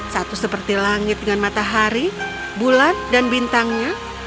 satu seperti langit dengan matahari bulan dan bintangnya